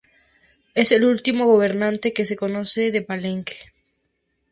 Es el último gobernante que se conoce de Palenque.